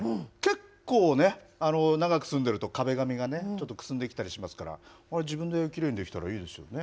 結構ね、長く住んでると、壁紙がね、ちょっとくすんできたりしますから、あれ、自分できれいにできたらいいですよね。